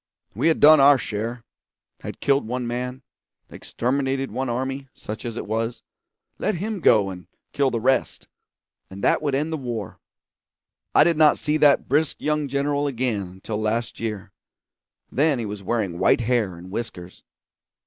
We had done our share; had killed one man, exterminated one army, such as it was; let him go and kill the rest, and that would end the war. I did not see that brisk young general again until last year; then he was wearing white hair and whiskers.